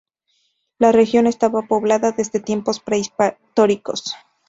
La región estaba poblada desde tiempos prehistóricos.